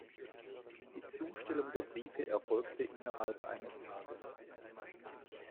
Die Zustellung der Briefe erfolgte innerhalb eines Tages.